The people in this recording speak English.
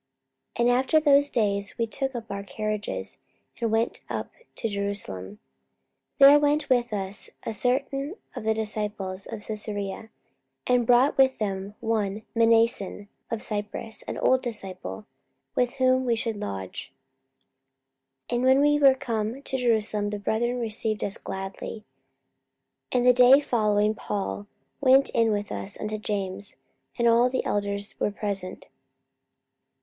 44:021:015 And after those days we took up our carriages, and went up to Jerusalem. 44:021:016 There went with us also certain of the disciples of Caesarea, and brought with them one Mnason of Cyprus, an old disciple, with whom we should lodge. 44:021:017 And when we were come to Jerusalem, the brethren received us gladly. 44:021:018 And the day following Paul went in with us unto James; and all the elders were present.